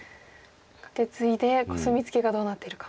カケツイでコスミツケがどうなってるか。